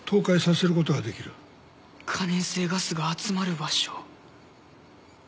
可燃性ガスが集まる場所。